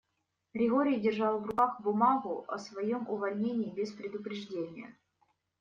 Григорий держал в руках бумагу о своём увольнении без предупреждения.